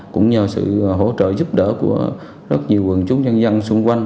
cũng nhờ sự hỗ trợ giúp đỡ của rất nhiều quần chúng nhân dân xung quanh